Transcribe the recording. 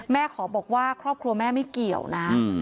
ขอบอกว่าครอบครัวแม่ไม่เกี่ยวนะ